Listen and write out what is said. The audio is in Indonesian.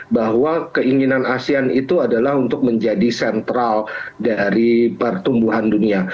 bahwa keinginan asean itu adalah untuk menjadi sentral dari pertumbuhan dunia